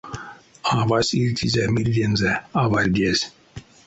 Авась ильтизе мирдензэ авардезь.